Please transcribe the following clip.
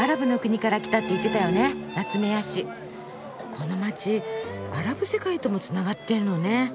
この街アラブ世界ともつながってるのね。